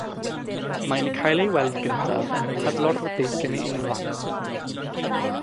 Mae'n cael ei weld gyntaf yn padlo'r beic yn ei unfan.